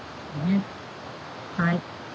はい。